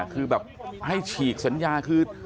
คือแบบให้ฉีกสัญญาคือ